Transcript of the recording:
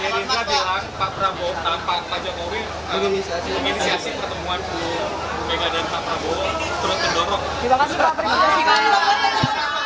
gerindra bilang pak prabowo pak jokowi menginisiasi pertemuan ibu mega dan pak prabowo terus mendorong